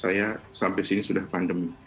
saya sampai sini sudah pandemi